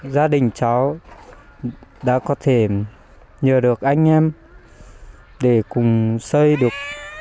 gia đình cháu đã có thể nhờ được anh em để cùng xây được